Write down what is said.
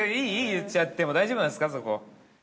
言っちゃっても、大丈夫なんですか、そこ。